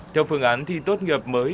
theo phương án thi tốt nghiệp mới